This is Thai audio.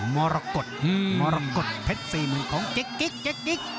มรกฎเพชรสี่หมื่นของเจ๊กิ๊ก